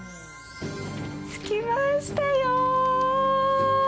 着きましたよー。